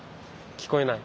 聞こえない？